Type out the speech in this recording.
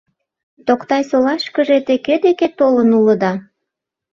— Токтай-Солашкыже те кӧ деке толын улыда?